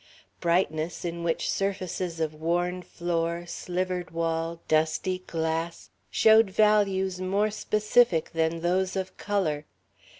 Brightness in which surfaces of worn floor, slivered wall, dusty glass, showed values more specific than those of colour.